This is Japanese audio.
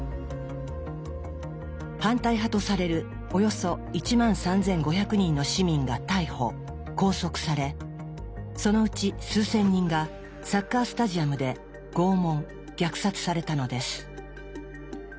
反対派とされるおよそ１万３，５００人の市民が逮捕拘束されそのうち数千人がサッカー・スタジアムで拷問虐殺されたのです。